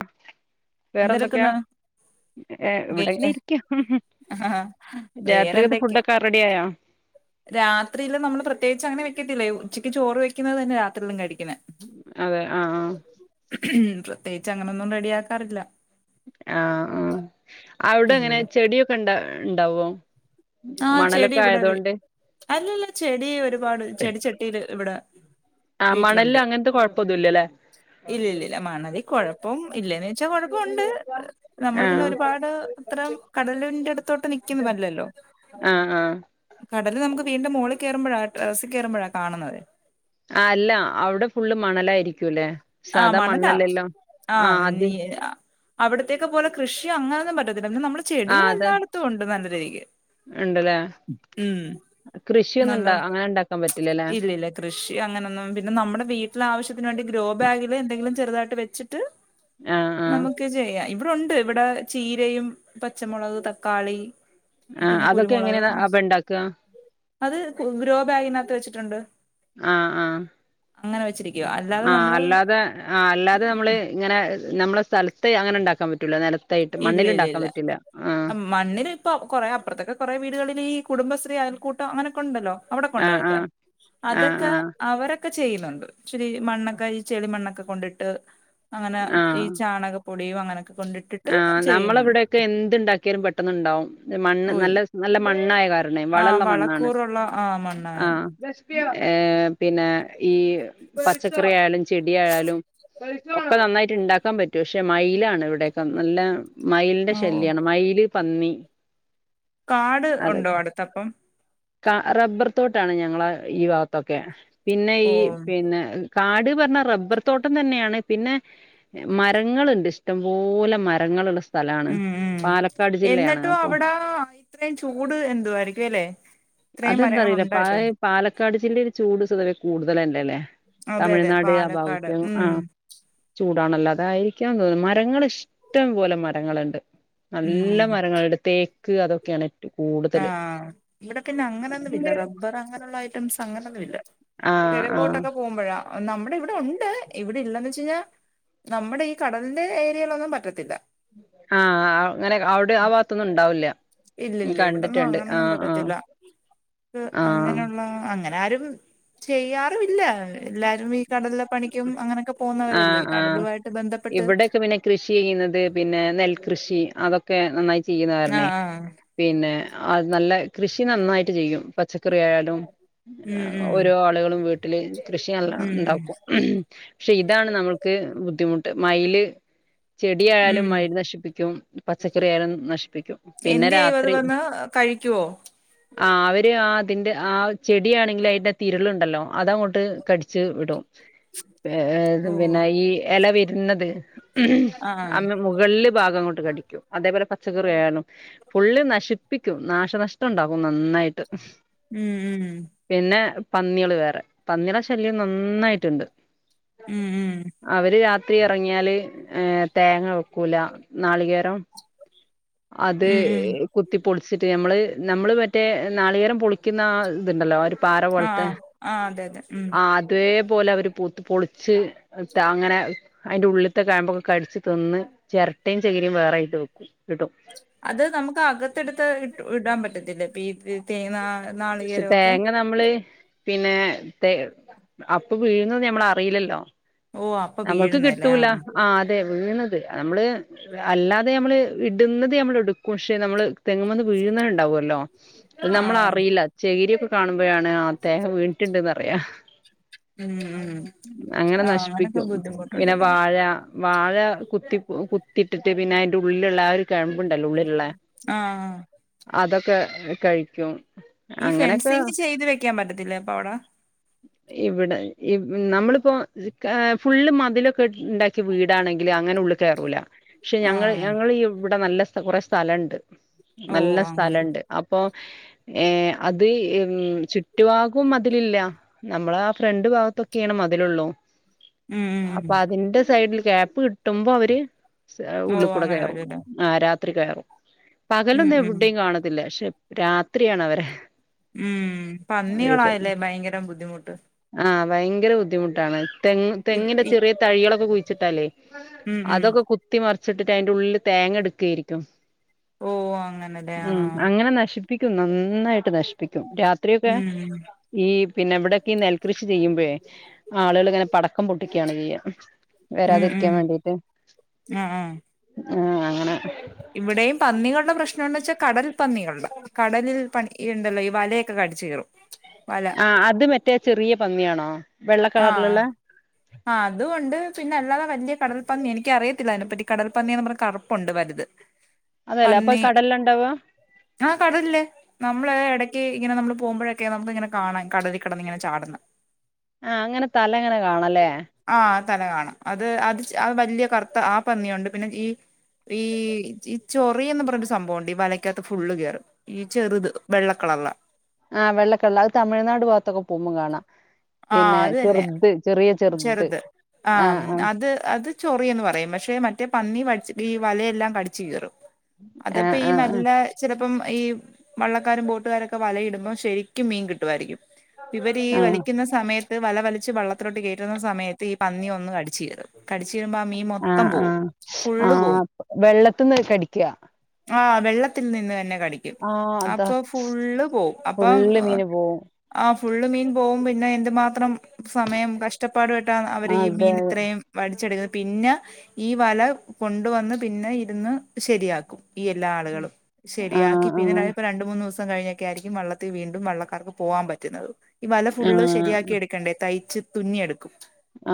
[unintelligible] വേറെന്തെക്കെയാ? എന്തെടുക്കുന്നു വേ ആഹ് രാത്രിത് വേറെന്തൊക്കെ ഫുഡൊക്കെ റെഡിയായോ? രാത്രിയില് നമ്മള് പ്രത്യേകിച്ച് അങ്ങനെ വെക്കത്തില്ലേയ്. ഉച്ചക്ക് ചോറ് വെക്കുന്നത് തന്നെയാ രാത്രിയിലും കടി അതെ ആഹ് ആഹ് പ്രത്യേകിച്ചങ്ങനൊന്നും റെഡിയാക്കാറില്ല. ആഹ് ആ അവിടെങ്ങനാ പിന്നെ ചെടിയൊക്കെണ്ടാ യിണ്ടാവോ? ആഹ് ചെടിയിവിടെ വെ. അല്ലല്ല ചെടി ഒരുപാട് ചെടിച്ചട്ടിയില് ഇവിടെ. ആ മണലിൽ വീട്ടിലൊണ്ട്. അങ്ങനത്തെ കൊഴപ്പൊന്നുല്ലല്ലേ ഇല്ലില്ലല്ല. മണലികൊഴപ്പം ഇല്ലേന്ന്ച്ചാ കൊഴപ്പൊണ്ട്. ആ നമ്മള് പിന്നെ ഒരുപാട് ഇത്രേം കടലിന്റെടുത്തോട്ട് നിക്കുന്നതല്ലല്ലോ. ആഹ് ആഹ് കടല് നമ്മെക്ക് വീട്‌ന്റെ മോളിക്കേറുയുമ്പോഴാ ടെറസ്സിക്കേറുമ്പോഴാ കാണുന്നതേ. ആ അല്ല. അവടെ ഫുള്ള് മണലായിരി ആ മണലാ. ആ നി ആ അവിടത്തേക്കെപ്പോലെ കൃഷിയങ്ങനൊന്നും പറ്റത്തി എന്ന് നമ്മള് ആ ചെടികളെ അത് ല്ലായിടത്തുമൊണ്ട്. നല്ലത്. [unintelligible] ഇണ്ടല്ലേ ഉം. കൃഷിയൊന്നും നല്ല ഇണ്ട അങ്ങനെ ഇണ്ടാക്കാൻ പറ്റില്ലല്ലേ ഇല്ലില്ല. കൃഷി അങ്ങനൊന്നും പിന്നെ നമ്മെടെ വീട്ടിലാവ ശ്യത്തിന് വേണ്ടി ഗ്രോ ബാഗില് എന്തങ്കിലും ചെറതായിട്ട് വെച്ച ട്ട് ആ ആ നമ്മുക്ക് ചെയ്യാൻ ഇവിടൊണ്ട്. ഇവിടെ ചീരയും പച്ചമൊളക്, തക്കാളി ആ പിന്നെ അതൊക്കെ കുരുമൊളക്. എങ്ങനെയാ അപ്പ ഇണ്ടാക്ക അത് ഗ്രോബാഗിനാ ത്ത് വെച്ചിട്ടൊണ്ട്. ആഹ് ആഹ് വെച്ചിരിക്കുവ അല്ലാതെ ആ നമ്മള് അല്ലാതെ. ആ അല്ലാതെ നമ്മള് ഇങ്ങനെ. നമ്മെടെ സ്ഥലത്തെ അങ്ങനെ ഉണ്ടാക്കാൻ പറ്റൂല്ല. നില ഇല്ലില്ലില്ല. മണ്ണിൽ ഇപ്പൊ കൊറെ അപ്പൊറത്തൊക്കെ കൊറെ വീടുകളിൽ. ഈ കുടബശ്രീ, അയൽക്കൂട്ടം അങ്ങനൊക്കെണ്ടല്ലോ? അവിടൊക്കെയൊ ആഹ് ണ്ടോയതൊക്കെ? ആഹ് ആഹ് അതൊക്കെ ആഹ് അവരൊ ക്കെ ചെയ്യുന്നൊണ്ട്. ഇച്ചിരി മണ്ണൊക്കെയിച്ചെളിമണ്ണൊക്കെ കൊണ്ടിട്ട്. അങ്ങന ഈ ആഹ് ചാണകപ്പൊടിയും അങ്ങ അക്കെ കൊണ്ടി ആഹ് നമ്മള ഇവിടെക്കെ എന്ത്‌ ണ്ടാക്ക്യാലും പെട്ടന്ന്ണ്ടാവും മണ്ണ് ഓയ് നല്ല നല്ല മൺ ണ്ണായ കാരണെ ആ വളം ഒള്ള മണ്ണാണ് വളക്കൂറുള്ള ആ മണ്ണായ ആഹ് ഏ പിന്നെ ഈ പച്ചക്കറി ആയാലും ചെടി ആയാലും ഇപ്പ നന്നായിട്ട് ഇണ്ടാക്കാൻ പറ്റൂ ക്ഷെ മൈലാണ് ഇവിടെ തന്നല്ലാ മയിലിന്റെ ഓ ശല്യാണ് മയില് പന്നി കാട് ഒണ്ടോ അടുത്തപ്പം കാ റബ്ബർ തോട്ടാണ് ഞങ്ങളെ ഈ ഭാഗത്തൊക്കെ പിന്നെ ഓ ഈ പിന്നെ കാട് പറഞ്ഞ റബ്ബർ തോട്ടം തന്നെയാണ് പിന്നെ മരങ്ങളുണ്ട് ഇഷ്ടംപോ പോല മരങ്ങളുള്ള സ് ഉം ഉം എന്നിട്ടും അപ്പൊ അവിടാ ഇത്രയും ചൂട് എന്തു ആയിരിക്കും എല്ലേ ഇത്രയും മരങ്ങൾണ്ടായിട്ട് [unintelligible] ഒരു ചൂട് [unintelligible] കൂടുതലല്ലല്ലേ അതെ അതെ തമിഴ്നാട് ആ പാലക്കാട് [unintelligible] ഉം ആ ചൂ താണല്ലോ അതായിരിക്കാന്ന് തോന്ന് മരങ്ങള് ഇഷ് ഇഷ്ടം പോലെ മരങ്ങളുണ്ട്. നല്ല ഉം മരങ്ങളുണ്ട് തേ ക്ക് അതൊക്കെയാണെറ്റ ആഹ് ഇവിടെ പിന്നെ അങ്ങനൊന്നും ഇല്ല, റബ്ബർ അങ്ങനുള്ള ഐറ്റംസ് അങ്ങനൊന്നും, ഇല്ല ആ ആ കെഴക്കോട്ടൊക്ക പോവുമ്പഴാ നമ്മുടെ ഇവിടെ ഒണ്ട്, ഇവിടെ ഇല്ലന്ന് വെച്ച് കഴിഞ്ഞാ നമ്മുടെ ഈ കടലിന്റെ ഏരിയേലൊന്നും പറ്റത്തില്ല. ആഹ് അ അങ്ങനെ, അവിടെ ആ ഭാഗത്തൊന്നും ഉണ്ടാവില്ല. ഉം ഇല്ലില്ല ഇവിടൊന്നും കണ്ടിട്ടുണ്ട് അങ്ങനൊന്നും ആഹ് ആഹ് പറ്റത്തില്ലാ ആഹ് അങ്ങനുള്ള അ അങ്ങന ആരും ചെയ്യാറും ഇല്ല എല്ലാരും ഈ കടലിലെ പണിക്കും അങ്ങനെ ആ ആഹ് ഇവിടെക്കെ പിന്നെ കൃഷി ചെയ്യുന്നത് പിന്നെ നെൽകൃഷി അതൊക്കെ നന്നായി ചെയ്യുന്ന കാരണേ ആഹ് ആഹ് പിന്നെ അത് നല്ല കൃഷി, നന്നായിട്ട് ചെയ്യും പച്ചക്കറി ആയാലും ഉം ഉം ഓരോ ആളുകളും വീട്ട് ലെ കൃഷിയെല്ലാം ഉം ഉണ്ടാക്കും ഇതാണ് നമ്മ്ക്ക് ബുദ്ധിമുട്ട് മയില് ചെടിയായാലും ഉം മഴ നശിപ്പിക്കും പച്ചക്കറിയായാലും നശിപ്പിക്കും പിന്നെ എന്ത് ചെയ്യും അത് രാത്രി വന്ന് കഴിക്കുവോ ആ അവര് ആ അതിൻ്റ ആ ചെടിയാണെങ്കില് അതിനാത്ത് ഇരുളുണ്ടല്ലോ അതങ്ങോട്ട് കടിച്ചു വിടും ഏ ത് ഓ പിന്നെ ഈ എലവി എന്നത് മ്ഹ് ആഹ് അമ്മ മുകൾല് ഭാഗംങ്ങൊട്ട് കടിക്കും അതേപോലെ പ- പച്ചകറിയാലും ഫുള്ള് നശിപ്പിക്കും നാശനഷ്ടം ഉണ്ടാവും നന്നായിട്ട് ഉം ഉം പിന്നെ പന്നികള് വേറെ പന്നിടെ ശല്യം നന്നായിട്ടുണ്ട് ഉം അവര് രാ- ത്തി ഇറങ്ങിയാല് ഏ തേങ്ങ വെക്കൂല നാളികേരം അത് ഉം ഉം ഉം കുത്തിപ്പൊളിച്ചിട്ട് ഞമ്മ്ള്- നമ്മള് മറ്റേ നാളികേരം പൊളിക്കുന്ന ആ ഇതുണ്ടല്ലോ പാറ ആ ആ പോൽത്തെ ആ അതെ അതെ ഉം ആ അതേ- പോലെ അവര് പൊളി ച്ച് താങ്ങനെ അതിൻ്റെ ഉള്ളിത്തെ കയമ്പൊക്കെ കടിച്ച് തിന്ന് ചെരട്ടയും ചകിരയും വേറെ ഇട്ട് വെക്കും ഇടും അത് നമുക്ക് അകത്തെടുത്ത് ഇട് ഇടാൻ പറ്റത്തില്ലേ [unintelligible] ക്ഷെ ഒക്കെ തേങ്ങ നമ്മള് പിന്നെ അപ്പ് വീഴുന്ന് ഞമ്മള് അറിയില്ലല്ലോ ഓ അപ്പൊ നമ്മൾക്ക് വീഴുന്നല്ലേ ആ കിട്ടൂല ആഹ് അതെ വീണത് നമ്മള് അല്ലാതെ നമ്മള് ഇടുന്നത് നമ്മള് എടുക്കും പക്ഷെ നമ്മള് തെങ്ങുംവന്ന് വീഴുന്നണ്ടാവല്ലോ അത് ആ നമ്മളറിയില്ല ചെകിരി- കാണുമ്പോഴാണ് ആ തേങ്ങ വീണിട്ട്ണ്ടെന്നറിയ ഉം ഉ ആഹ് അങ്ങനെ നശിപ്പിക്കും പിന്നെ വാഴ വാഴ കുത്തി കുത്തിട്ടിട്ട് പിന്നെ അതിൻ്റ ഉള്ളിലുള്ള ആ- കഴമ്പുണ്ടല്ലോ ഉള്ളിലുള്ള ആ ആ. അതൊ ആ കഴിക്കും ഈ അങ്ങനൊക്കെ ഫെൻസിങ് ചെയ്ത് വെക്കാൻ പറ്റത്തില്ലേ അപ്പ അവടെ ഇവിടെ ഇവ നമ്മളിപ്പോ കാ ഫുള്ള് മതിലൊക്കെ ഇണ്ടാക്കിയ വീടാണെങ്കിലിൽ അങ്ങനെ ഉള്ളിൽ കയറൂല പക്ഷെ ആ ഞങ്ങ ഞങ്ങ ഇവിടെ നല്ല കുറെ സ്ഥലുണ്ട് ഓ നല്ല അങ്ങനെ സ്ഥലണ്ട് അപ്പൊ ഏ അത് ചുറ്റുവാകും മതിലില്ല നമ്മള രണ്ടു ഭാഗത്തൊക്കെയ്യാണ് മതിലുള്ളൂ ഉം ഉം അപ്പൊ ഉം. അതിന്റെ സൈഡില് ഗ്യാപ്പ് കിട്ടുമ്പോ അവര് ഓ ഉള്ളിൽ കൂടെ അങ്ങനെ കയറും വരുംല്ലേ ആ രാത് ത്രി കയറും ഉം പകലൊന്നും ഉം എവിടെയും കാണത്തില്ല പക്ഷെ രാത്രിയാണ് വെര ഉം പന്നികളായല്ലേ ഭയങ്കരം ബുദ്ധിമുട്ട് ആ ഭയങ്കര ബുദ്ധിമുട്ടാണ് തങ് ഇ- തെങ്ങിന്റെ ഇ- ചെറിയ തഴികളൊക്കെ കു [unintelligible] തലേ ഉം ഉം അതൊക്കെ കുത്തി മർ ച്ചിട്ട് അയിന്റെ ഉള്ളിൽ തേങ്ങ എടുക്കേരിക്കും ഓ അങ്ങനല്ലേ ആ ഉം അങ്ങനെ നശിപ്പിക്കും നന്നായിട്ട് നശിപ്പിക്കും രാത്രിയൊക്കെ ഉം ഉം ഈ പിന്നെ ഇവിടൊക്കെ നെൽകൃഷി ചെയ്യുമ്പോഴേ ആളുകള് പടക്കം പൊട്ടിക്കയാണ് ചെയ്യുക ഉം വെരാതിരിക്കാൻ ഉം വേണ്ടിട്ട് ആ ആ അ ആ അങ്ങനെ ഇവിടെയും പന്നികളുടെ പ്രശ്ന പിനെന്താ വെച്ചാൽ കടൽ പന്നികളുടെ കടലിൽ പണി ഈ ഉണ്ടല്ലോ ഈ വലയൊക്കെ കടിച്ചു കീറും വല ആ അത് മറ്റേ ചെറിയ പന്നിയാണോ വെള്ള ആഹ കളറിലുള്ള ആ അതുംണ്ട് പിന്നെ അല്ലാതെ വലിയ കടൽ പന്നി എനിക്ക് അറിയത്തില്ല അതിനെപ്പറ്റി ഈ കടൽ പന്നിന്ന് പറഞ്ഞ് കറുപ്പുണ്ട് വലുത് അതല്ലേ അപ്പൊ പന്നി കടലിലുണ്ടാവ ആഹ് കടല്ലേ നമ്മള ഇടക്ക് ഇങ്ങനെ നമ്മള് പോകുമ്പോഴൊക്കെ നമുക്ക് ഇങ്ങനെ കാണാം കടലില് കടന്ന് ഇങ്ങനെ ചാട്ന്ന് ആ അങ്ങനെ തല ഇങ്ങനെ കാണല്ലേ ആ തല കാണാം അത് അത് അത് വലിയ കറുത്ത ആ പന്നിയുണ്ട് പിന്നെ ഈ ഈ ഈ ചൊറിയെന്ന് പറഞ്ഞൊരു സംഭവുണ്ട് ഈ വലയ്ക്കകത്ത് ഫുള്ള് കയറും ഈ ചെറുത് വെള്ളക്കളറുള്ള ആ വെള്ളക്കളറ് അത് തമിഴ്നാട് ഭാഗത്തൊക്കെ പോകുമ്പോ കാണാം ആ പിന്നെ അത് തന്നെ ചെറുത് ചെറിയ ചെറുത് ആ ആഹ് അത് അത് ചൊറിയെന്ന് പറയും പക്ഷെ മ റ്റേ പന്നി വച്ചിട്ട് വലയെല്ലാം കടിച്ച് കീറും ആഹ് അതപ്പം ഈ ആഹ് ആഹ് നല്ല ചില അപ്പം ഈ വള്ളക്കാരും ബോട്ടുകാരുമൊക്കെ വലയിടുമ്പോം ശരിക്കും മീൻ കിട്ടുമായിരിക്കും ഇവരീ ആഹ് വലി സമയത്ത് വല വലിച്ച് വള്ളത്തിലോട്ട് കയറ്റുന്ന സമയത്ത് ഈ പന്നി വന്ന് വലിച്ചു കീറും കടിച്ചു കീറുമ്പോ മീൻ ആ മൊത്തം ആ പോവും ആ ഫുള്ള് പോവും വെള്ളത്തീന്ന് കടിക്ക ആ വെള്ളത്തിൽ നിന്ന് തന്നെ കടിക്കും ആഹ് അതാ അപ്പോ ഫുള്ള് പോവും അപ്പം ഫുള്ള് മീന് പോവും അ ഫുളള് മീൻ പോവും പിന്നെ എന്തുമാത്രം സമയം കഷ്ടപ്പാടുമായിട്ട അവര് ഈ അതെ മീൻ ഇത്രയും വടിച്ചെടുക്കുന്നത് പിന്നെ ഈ വല കൊണ്ടുവന്ന് പിന്നെ ഇരുന്ന് ശരിയാക്കും ഈ എല്ലാ ആളുകളും ശരിയാക്കി ആഹ് ആഹ് പിന്നെണ്ടപ്പോ രണ്ടു മൂന്ന് ദിവസം കഴിഞ്ഞൊക്കെ ആയിരിക്കും വള്ളത്തിൽ വീണ്ടും വള്ളക്കാർക്ക് പോകാൻ പറ്റുന്നത് ഫുള്ള് ആഹ് ശരിയാക്കി എടുക്കണ്ടേ തയ്ച്ച് തുന്നിയെടുക്കും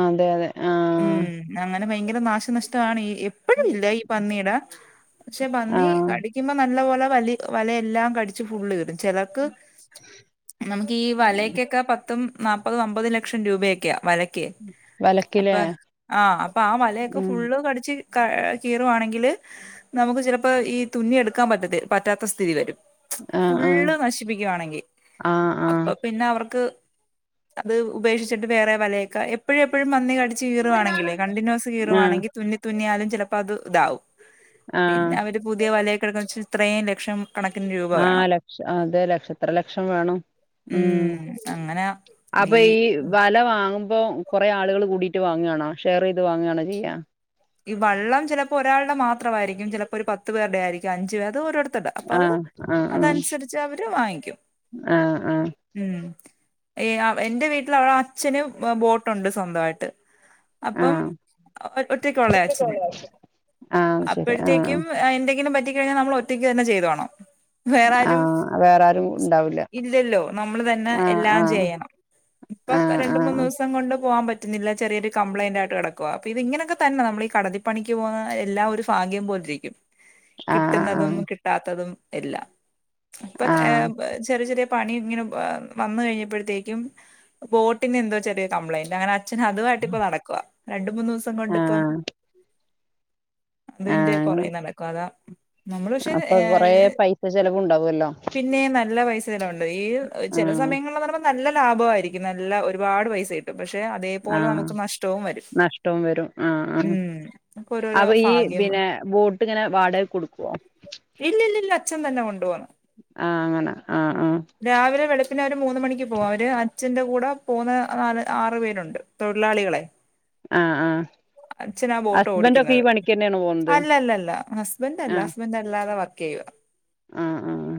അതെ അതെ ആ ന്നെ ഭയങ്കര നാശനഷ്ടമാണ് ഈ എപ്പഴും ഇല്ല ഈ പന്നിയുടെ പക്ഷെ പന്നി ആഹ് കടിക്കുമ്പോ നല്ല പോലെ വലി വലയെല്ലാം കടിച്ച് ഫുള്ള് കീറും ചിലർക്ക് നമുക്ക് ഈ വലയൊക്കെ പത്തും നാപ്പതും അമ്പതും ലക്ഷം രൂപയൊക്കെയ വല- അപ്പ വലക്കിലേ ആ അപ്പൊ ആ വലയൊക്കെ ഉം ഫുള്ള് കടിച്ച് കീറുവാണെങ്കിൽ നമുക്ക് ചിലപ്പോ ഈ തുന്നി എടുക്കാൻ പറ്റത്തി പറ്റാത്ത സ്ഥിതി വരും ആഹ് ആഹ് ഫുള്ള് നശിപ്പിക്കുവാണെങ്കി ആഹ് ആഹ് അപ്പൊ പിന്നെ അവർക്ക് അത് ഉപക്ഷിച്ചിട്ട് വേറെ വലയൊക്കെ എപ്പോഴും എപ്പോഴും പന്നി കടി ച്ച് കീറുവാണെങ്കിലെ കണ്ടിന്യൂസ് ആഹ് കീറുവാണെങ്കിൽ തുന്നി തുന്നിയാലും ചിലപ്പോ അത് ഇതാവും ആഹ് പിന്നെ അവര് പുതിയ വലയൊക്കെ എടുത്ത് വെച്ച് ഇത്രയും ലക്ഷം കണക്കിന് രൂപ ആ വേണം ലക്ഷം അതെ ലക്ഷം എത്ര ലക്ഷം വേണം ഉം അപ്പൊ ഈ വല വാങ്ങ് ഇപ്പൊ കൊറേ ആളുകൾ കൂടിയിട്ട് വാങ്ങവാണോ ഷെയർ ചെയ്ത് വാങ്ങുകയാണോ ചെയ്യ ഈ വെള്ളം ചിലപ്പോ ഒരാളുടെ മാത്രമായിയിരിക്കും ചിലപ്പോ ഒരു പത്തു പേരുടെ ആരിക്കും അഞ്ച് പേർ ഓരോട് ത്തത് അപ്പ അത് ആഹ് ആഹ് അതനുസരിച്ച് അവര് വാങ്ങിക്കും ആഹ് ആഹ് ഉം എന്റെ വീട്ടിൽ അവടെ അച്ഛന് ബോട്ടുണ്ട് സ്വന്തമായിട്ട് അപ്പം ആഹ് അ ഒ കൊള്ളയ അച്ചന് ആഹ് ശരി ആഹ് അപ്പോഴത്തേക്കും അയ് ന്തെങ്കിലും പറ്റി കഴിഞ്ഞാൽ നമ്മൾ ഒറ്റക്ക്ന്നെ ചെയ്തോണം വേറാരും ആഹ് വേറെ ആരും ഉണ്ടാവൂല ഇല്ലല്ലോ നമ്മൾ തന്നെ ആഹ് എല്ലാം ആഹ് ചെയ്യണം ഇപ്പൊ ആഹ് രണ്ട് ആഹ് മൂന്ന് ദിവസം കൊണ്ട് പോകാൻ പറ്റ് റ്റില്ല ചെറിയരു കംപ്ലൈൻ്റ് ആയിട്ട് കിടക്കുവാ അപ്പൊ ഇത് ഇങ്ങനക്കെ തന്നെ നമ്മൾ ഈ കടലപ്പണിക്ക് പോകുന്ന എല്ലാ ഒരു ഭാഗ്യം പോലെരിക്കും ആഹ് കിട്ടുന്നതും കിട്ടാത്തതും എല്ല ഇപ്പൊ ആഹ് ആഹ് ചെറിയ ചെറിയ പണി ഇങ്ങനെ വന്നു കഴിഞ്ഞപ്പോഴത്തേക്കും ബോട്ടിന് എന്തോ ചെറിയ കംപ്ലയിന്റ് അങ്ങനെ അച്ഛൻ അതുമായിട്ട് ഇപ്പ നടക്കുവ രണ്ട മൂന്ന് ദിവസം കൊണ്ട് ആഹ് അത്ണ്ട് ആഹ് കൊറേ നടക്കും അതാ നമ്മള് പക്ഷെ അപ്പൊ കൊറെ ഏഹ് പൈസ ചെലവും ഉണ്ടാവല്ലോ ചെലവൺ ചില സമയങ്ങള പറയുമ നല്ല ലാഭമായിരിക്കും നല്ല ഒരുപാട് പൈസ കിട്ടും പക്ഷെ അതേപോലെ ആഹ് നമുക്ക് നഷ്ടവും വരും ആ ഉം ഒക്കെ ഓരോരോ അപ്പൊ ഈ ഭാഗ്യം പിന്നെ ബോട്ട്ങ്ങനെ വാടക കൊടുക്കുവോ ഇല്ലല്ലല്ല അച്ഛൻ തന്നെ കൊണ്ടു പൊന്ന് ആഹ് അങ്ങനെ ആഹ് ആഹ് രാവിലെ വെളുപ്പിന മൂന്ന് മണിക്ക് പോവു അവര് അച്ഛന്റെ കൂടെ പോകുന്ന നാല് ആറു പേരുണ്ട് തൊഴിലാളികളെ ആഹ് ആഹ് അച്ഛനാ ബോട്ട് ഹസ്ബൻഡ് ഒക്കെ ഈ ഓടിക്കുന്നത് പണിക്ക് തന്നെയാണ് പോകുന്നത് അല്ലല്ലല്ല ഹസ്ബൻ്റ് അല്ല ഹസ്ബൻഡല്ല അത വർക്ക് ചെയ്യുക ആഹ് ആഹ്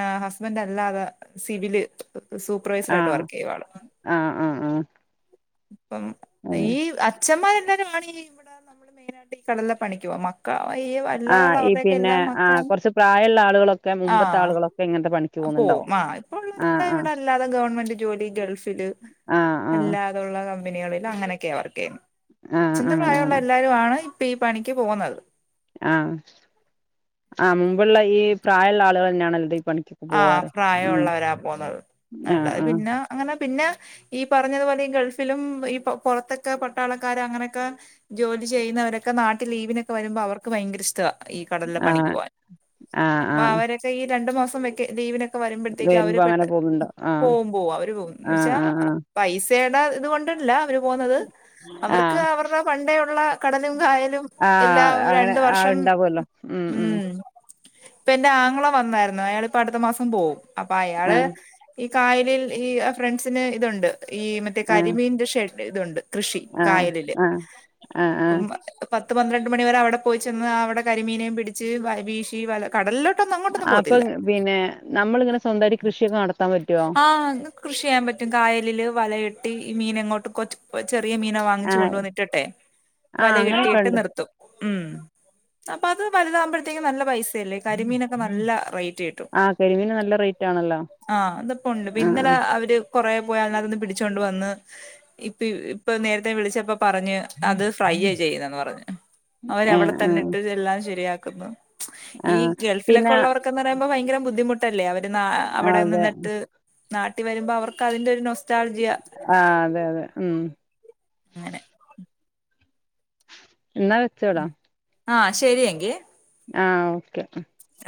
ഏഹ് ഹസ്ബന്റ് അല്ലാതെ സിവില് സൂപ്പർവൈസർ ആയിട്ട് ആഹ് വർക്ക് ചെയ്യുവ ആള് ആഹ് ആഹ് ആഹ് പ്പം അതെ ഈവ് അച്ഛ [unintelligible] ആഹ് അല്ലാതുള്ള ഈ അവർടെക്കെ പിന്നെ എല്ലാ ആഹ് മക്കളും കുറച്ച് പ്രായമുള്ള ആളുകളൊക്കെ മുമ്പത്തെ ആഹ്‌ ആളുകളൊക്കെ ഇങ്ങനത്തെ പണിക്ക് പോകുന്നുണ്ടാവും പോം ആ ഇപ്പോ ആഹ് ആഹ് [unintelligible] ഗവൺമെന്റ് ജോലി ഗൾഫില് ആഹ് ആഹ് അല്ലാതുള്ള കം മ്പനിയാളില് അങ്ങനെയൊക്കാ വർക്ക്‌ ചെയ്യ് ആഹ് അച്ഛന്റെ അങ്ങനെ പ്രായള്ള അങ്ങനെ എല്ലാരും ആണ് പ്പ ഈ പണിക്ക് പോന്നത് ആഹ് ആഹ് മുമ്പുള്ള ഈ പ്രായമുള്ള ആളുകൾ തന്നെയാണ് ല്ലത് ആ പ്രായമള്ളവരാ പോന്നത് ആഹ് [unintelligible] ആഹ് പിന്നെ അങ്ങനെ പിന്നെ ഈ പറഞ്ഞതുപോലെ ഈ ഗൾഫിലും ഈ പൊറത്തൊക്കെ പട്ടാളക്കാര് അങ്ങനൊക്കെ ജോലി ചെയ്യുന്നവരൊക്കെ നാട്ടില് ലീവിനൊക്കെ വരുമ്പോ അവർക്ക് ഭയങ്കര ഇഷ്ട ഈ കടലിലെ പണിക്ക് ആഹ് പോകാൻ ആഹ് അപ്പൊ ആഹ് അവരൊക്കെ ഈ രണ്ട് മാസം ക്കെ ലീവിന് വരുമ്പഴത്തേക്ക് അവര് വരുമ്പോ പെട്ട അങ്ങനെ പോകുന്നുണ്ടോ ആഹ് പോവും പോവും അവര് പോവും എന്ന് വെച്ചാ ആഹ് ആഹ് പൈസേ ന്താ ഇത് കൊണ്ടല്ല അവര് പോകുന്നത്? അവർക്ക് ആഹ് അവരുടെ പണ്ടേ ഉള്ള കടലും കായലും ആഹ് ആഹ് എല്ലാം അങ്ങനെ രണ്ട്‌ ആഹ് വർഷം ഉണ്ടാവുമല്ലോ ഉം ഇപ്പൊ എന്റെ ആങ്ങള വന്നായിരുന്നു അയാളി പ്പ അടുത്ത മാസം പോവും. അപ്പൊ അയാള് ആഹ് കായലിൽ ഈ ഫ്രണ്ട്സിന് ഇതുണ്ട് ഈ മറ്റേ ആഹ് കരിമീന്റെ ഷെ ടെ ഇതുണ്ട്. കൃഷി ആഹ് കായലില് ആഹ് ആഹ് ആഹ് അപ്പം പ ത്ത് പന്ത്രണ്ട് മണി വരെ അവിടെ പോയി ചെന്ന് അവിടെ കരിമീനേയും പിടിച്ച് വ വീശി വല കടലിലോട്ട് ട്ടൊന്ന് അങ്ങോട്ടൊന്നും അപ്പൊ പോകത്തില്ല. പിന്നെ നമ്മളിങ്ങനെ സ്വന്തമായി കൃഷിയൊക്കെ നട ആഹ് കൃഷിയെയ്യാൻ പറ്റും കായലില് വല ഇ ട്ടി മീനങ്ങോട്ട് കൊച്ച് കൊച്ച് ചെറിയ മീനെ ആ വാങ്ങിച്ച് കൊണ്ടോന്ന്ട്ട്ട്ടെ ആ വല അങ്ങനെയൊക്കെ കെട്ടിയിട്ട് ഉണ്ട് നിർത്തും ഉം അപ്പ അത് വലുതാവുമ്പഴത്തേനും നല്ല പൈസ് ആഹ് കരിമീന് നല്ല റേറ്റാണല്ലോ അതിപ്പ ഒണ്ണ് പിന്നെലാ അവര് കൊറേ പോയി അതിനാത്ത്ന്ന് പിടിച്ചോണ്ട് വന്ന് ഇപ്പി ഇപ്പ നേരത്തെ വിളിച്ചപ്പം പറഞ്ഞെ അത് ഫ്രൈയ്യെ ചെയ്തന്ന് പറഞ്ഞ് അവര് ആ അവിടെ ആ തന്നെ ഇട്ട് എല്ലാം ശരിയാ ക്കന്ന് ആ ഈ ഗൾഫിലൊക്കെ പിന്നെ ഉള്ളവർക്കന്ന് പറയുമ്പോ ഭയങ്കര ബുദ്ധിമുട്ട് ട്ടല്ലേ അവ ഇ ന്ന് അവിടെ അതെ നിന്നിട്ട് ട്ട്‌ നാട്ടി വരുമ്പോ അവക്ക് അതിന്റെ ഒരു നൊസ ആ അതെ അതെ ഉം അങ്ങനെ എന്നാ വെച്ചോടാ ആ ശരിയങ്കിൽ ആ ഓക്കെ